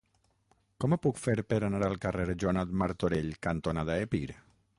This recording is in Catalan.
Com ho puc fer per anar al carrer Joanot Martorell cantonada Epir?